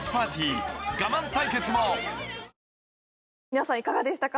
皆さんいかがでしたか？